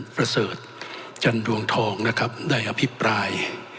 ประเสริฐจันดวงทองนะครับได้อภิปราย